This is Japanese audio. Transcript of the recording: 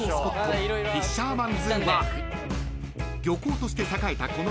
［漁港として栄えたこの場所